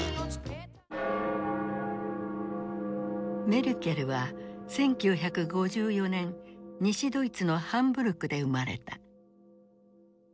メルケルは１９５４年西ドイツのハンブルクで生まれた。